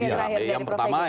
oke terakhir dari prof eg